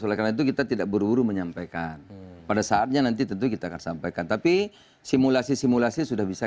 oleh karena itu kita tidak berpikir sama sekali